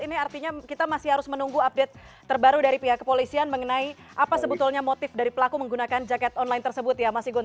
ini artinya kita masih harus menunggu update terbaru dari pihak kepolisian mengenai apa sebetulnya motif dari pelaku menggunakan jaket online tersebut ya mas igun